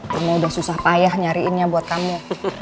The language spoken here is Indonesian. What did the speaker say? cuma udah susah payah nyariinnya buat kamu